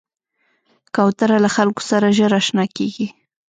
کوتره له خلکو سره ژر اشنا کېږي.